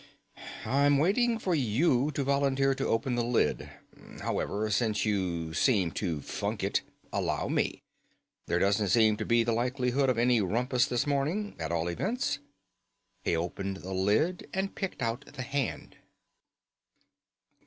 "I am waiting for you to volunteer to open the lid. However, since you seem to funk it, allow me. There doesn't seem to be the likelihood of any rumpus this morning, at all events." He opened the lid and picked out the hand.